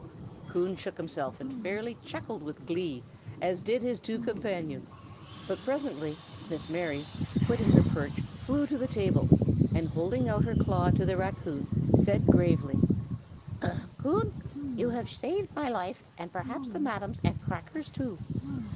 Coon shook himself, and fairly chuckled with glee, as did also his two companions; but presently Miss Mary, quitting her perch, flew to the table, and holding out her claw to the raccoon, said gravely: "Coon, you have saved my life, and perhaps the Madam's and Cracker's too.